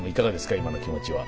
今の気持ちは。